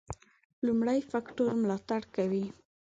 لومړي فکټور ملاتړ کوي.